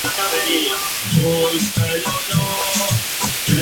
Tiene una amplia distribución en Asia, donde migra hacia el sur para el invierno.